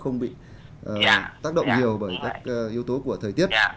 không bị là tác động nhiều bởi các yếu tố của thời tiết